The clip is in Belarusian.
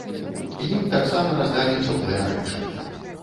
Ім таксама раздалі цёплыя рэчы.